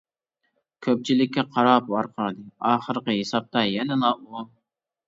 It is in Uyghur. كۆپچىلىككە قاراپ ۋارقىرىدى ئاخىرقى ھېسابتا يەنىلا ئۇ.